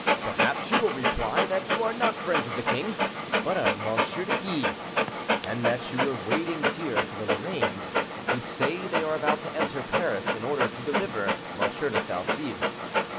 Perhaps you will reply that you are not friends of the king; but of MM. de Guise, and that you are waiting here for the Lorraines, who they say are about to enter Paris in order to deliver M. de Salcede."